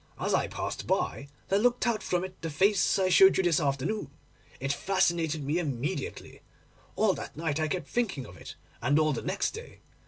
As I passed by there looked out from it the face I showed you this afternoon. It fascinated me immediately. All that night I kept thinking of it, and all the next day.